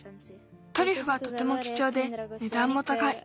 トリュフはとてもきちょうでねだんもたかい。